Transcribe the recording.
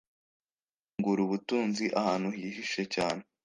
gufungura ubutunzi ahantu hihishe cyane